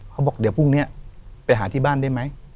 เขาบอกเดี๋ยวพรุ่งนี้ไปหาที่บ้านได้ไหม